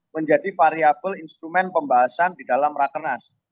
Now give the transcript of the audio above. menjadi variable instrumen pembahasan di dalam rakernas